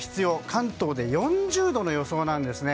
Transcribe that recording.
関東で４０度の予想なんです。